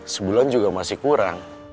sebulan juga masih kurang